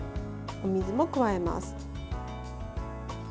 お水も加えます。